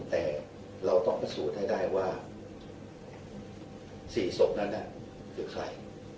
แต่เราต้องพิสูจน์ให้ได้ว่า๔ศพนั้นคือใคร